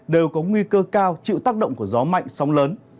đều có nguy cơ cao chịu tác động của gió mạnh sóng lớn